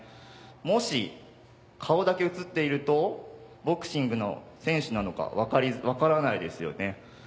もし顔だけ映っているとボクシングの選手なのか分からないですよね。